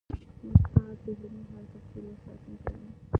استاد د علمي ارزښتونو ساتونکی دی.